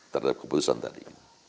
terhadap keputusan tadi